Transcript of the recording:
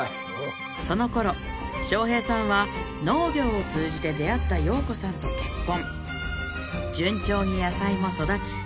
その頃将兵さんは農業を通じて出会った陽子さんと結婚順調に野菜も育ち